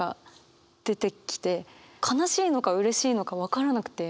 悲しいのかうれしいのか分からなくて。